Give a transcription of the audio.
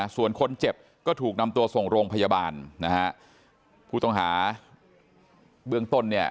ส่วนคนเจ็บก็ถูกนำตัวส่งโรงพยาบาลนะฮะผู้ต้องหาเบื้องต้นเนี่ย